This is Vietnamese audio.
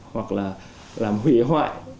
hoặc là làm hủy hoại